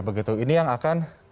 begitu ini yang akan